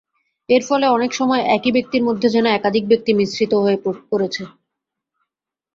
এর ফলে, অনেক সময় একই ব্যক্তির মধ্যে যেন একাধিক ব্যক্তি মিশ্রিত হয়ে পড়েছে।